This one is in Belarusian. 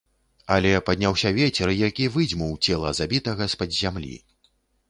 Але падняўся вецер, які выдзьмуў цела забітага з-пад зямлі.